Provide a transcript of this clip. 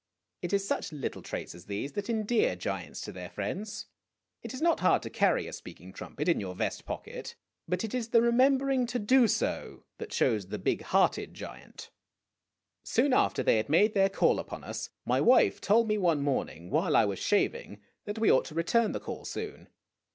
It is such little traits as these that endear giants to their friends. It is not hard to carry a speaking trumpet in your vest pocket, but it is the remembering to do so that shows the bii^ hearted o iant. <> o> Soon after they had made their call upon us, my wife told me one morning, while I was shaving, that we ought to return the call soon.